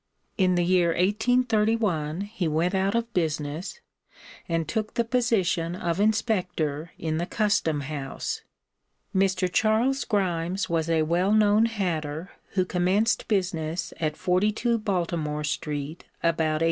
In the year 1831 he went out of business and took the position of inspector in the custom house. Mr. Charles Grimes was a well known hatter who commenced business at 42 Baltimore street about 1823.